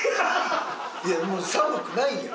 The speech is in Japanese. いやもう寒くないやん。